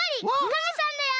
カメさんだよ。